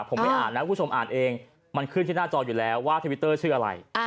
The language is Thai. ผมไม่อ่านนะคุณผู้ชมอ่านเองมันขึ้นที่หน้าจออยู่แล้วว่าทวิตเตอร์ชื่ออะไร